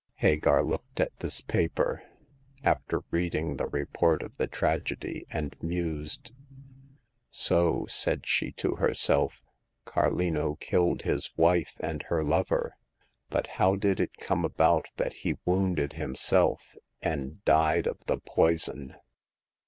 Hagar looked at this paper, after reading the report of the tragedy, and mused. " So," said she to herself, " Carlino killed his wife and her lover ; but how did it come about that he wounded himself, and died of the poison